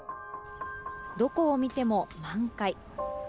どこを見ても満開。